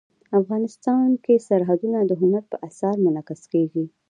افغانستان کې سرحدونه د هنر په اثار کې منعکس کېږي.